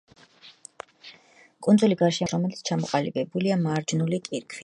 კუნძული გარშემორტყმულია მაღალი კლდეებით, რომელიც ჩამოყალიბებულია მარჯნული კირქვით.